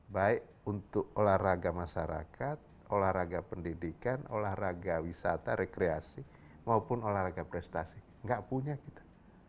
baik untuk olahraga masyarakat olahraga pendidikan olahraga wisata rekreasi maupun olahraga prestasi nggak punya kita